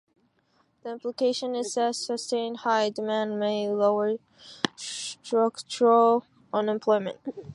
The implication is that sustained high demand may lower structural unemployment.